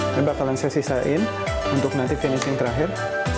ini bakalan saya sisain untuk nanti finishing terakhir